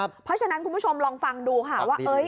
เพราะฉะนั้นคุณผู้ชมลองฟังดูค่ะว่า